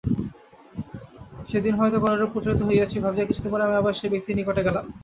সেদিন হয়তো কোনরূপ প্রতারিত হইয়াছি ভাবিয়া কিছুদিন পরে আমি আবার সেই ব্যক্তির নিকট গেলাম।